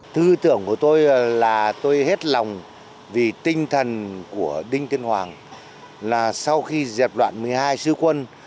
thư tưởng của tôi là tôi hết lòng vì tinh thần của đinh tiên hoàng là sau khi dẹp đoạn một mươi hai sư quân